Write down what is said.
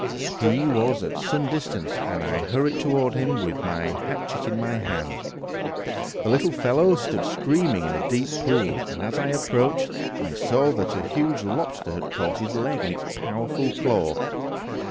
He was at some distance, and I hurried toward him with a hatchet in my hand. The little fellow stood screaming in a deep pool, and as I approached, I saw that a huge lobster had caught his leg in its powerful claw.